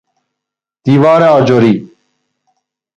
دیوار آجری